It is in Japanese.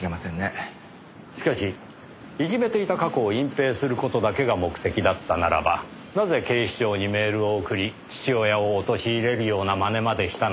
しかしいじめていた過去を隠蔽する事だけが目的だったならばなぜ警視庁にメールを送り父親を陥れるようなまねまでしたのか。